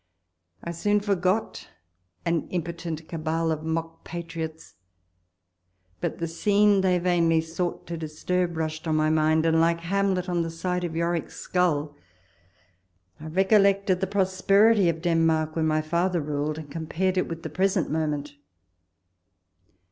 I soon forgot an im potent cabal of mock patriots ; but the scene they vainly sought to disturb rushed on my mind, and, like Hamlet on the sight of Yorick's skull, I recollected the prosperity of Denmark when my father ruled, and compared it with the present moment